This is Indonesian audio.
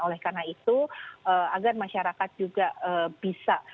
oleh karena itu agar masyarakat juga bisa